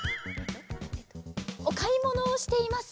おかいものをしています。